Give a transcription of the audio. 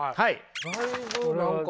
だいぶ何か。